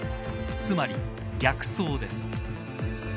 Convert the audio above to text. つまり、逆走です。